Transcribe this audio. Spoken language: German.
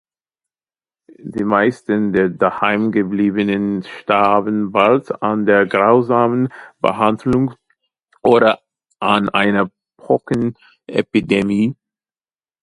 Die meisten der Daheimgebliebenen starben bald an der grausamen Behandlung oder an einer Pocken-Epidemie.